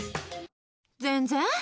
全然。